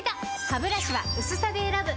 ハブラシは薄さで選ぶ！